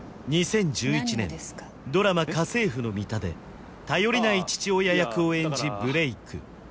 ２０１１年ドラマ「家政婦のミタ」で頼りない父親役を演じブレイク